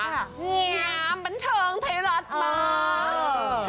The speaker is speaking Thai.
งามบันเทิงไทยรัฐมาก